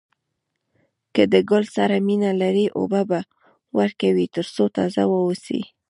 که د ګل سره مینه لرئ اوبه ورکوئ تر څو تازه واوسي.